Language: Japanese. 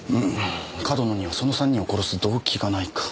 上遠野にはその３人を殺す動機がないか。